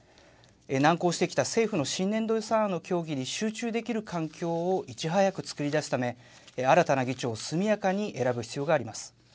難航してきた政府の新年度予算案の協議に集中できる環境をいち早く作り出すため、新たな議長を速やかに選ぶ必要があります。